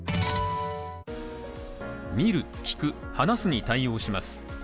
見る、聞く、話すに対応します。